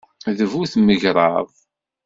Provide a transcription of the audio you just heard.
D bu tmegṛaḍ.